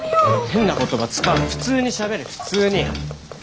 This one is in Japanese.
変な言葉使うな普通にしゃべれ普通に。